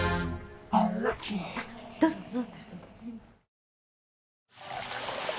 あどうぞ。